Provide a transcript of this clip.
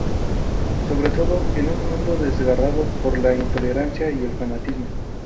Sobre todo, en un mundo desgarrado por la intolerancia y el fanatismo.